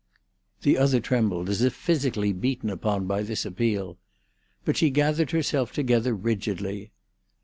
The other trembled, as if physically beaten upon by this appeal. But she gathered herself together rigidly.